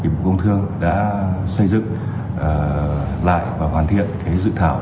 bộ công thương đã xây dựng lại và hoàn thiện dự thảo